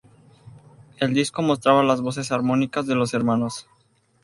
El disco mostraba las voces armónicas de los hermanos.